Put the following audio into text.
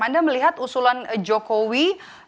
anda melihat usulan jokowi